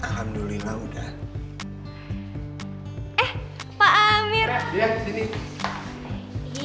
saya kan dari kemarin kemarin juga emang sendiri